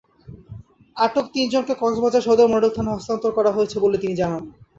আটক তিনজনকে কক্সবাজার সদর মডেল থানায় হস্তান্তর করা হয়েছে বলে তিনি জানান।